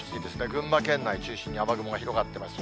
群馬県内中心に雨雲が広がってます。